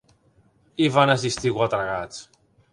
Hi van assistir quatre gats.